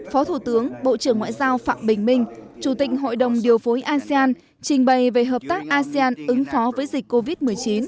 phó thủ tướng bộ trưởng ngoại giao phạm bình minh chủ tịch hội đồng điều phối asean trình bày về hợp tác asean ứng phó với dịch covid một mươi chín